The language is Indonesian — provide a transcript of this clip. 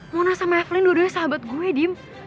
munas sama evelyn dua duanya sahabat gue dim